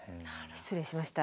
失礼しました。